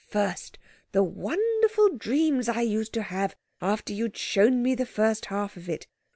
First, the wonderful dreams I used to have, after you'd shown me the first half of it!